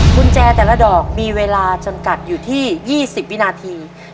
กุญแจแต่ละดอกมีเวลาจำกัดอยู่ที่๒๐วินาที